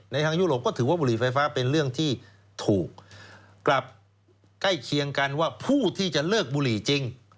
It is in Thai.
ทางยุโรปก็ถือว่าบุหรี่ไฟฟ้าเป็นเรื่องที่ถูกกลับใกล้เคียงกันว่าผู้ที่จะเลิกบุหรี่จริง